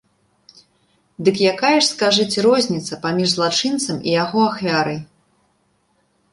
Дык якая ж, скажыце, розніца паміж злачынцам і яго ахвярай?